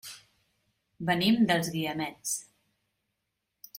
Venim dels Guiamets.